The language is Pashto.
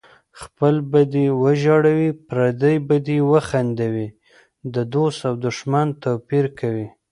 خپل به دې وژړوي پردی به دې وخندوي د دوست او دښمن توپیر کوي